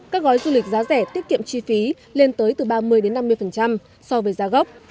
các gói du lịch giá rẻ tiết kiệm chi phí lên tới từ ba mươi năm mươi so với giá gốc